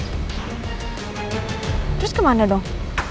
terus kemana dong